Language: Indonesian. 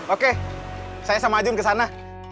oke saya sama ajum ke sana